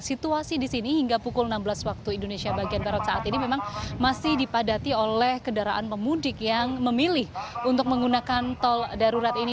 situasi di sini hingga pukul enam belas waktu indonesia bagian barat saat ini memang masih dipadati oleh kendaraan pemudik yang memilih untuk menggunakan tol darurat ini